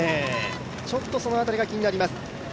ちょっとその辺りが気になります。